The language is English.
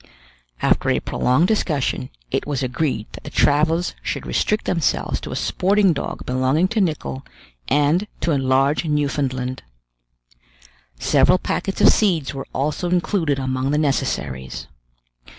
After a prolonged discussion, it was agreed that the travelers should restrict themselves to a sporting dog belonging to Nicholl, and to a large Newfoundland. Several packets of seeds were also included among the necessaries.